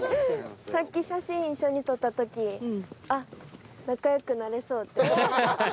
さっき写真一緒に撮った時あっ仲良くなれそうって思いました。